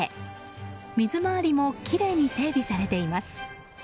水回りもきれいに整備されています。